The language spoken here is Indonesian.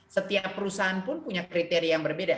setiap perusahaan pun punya kriteria yang berbeda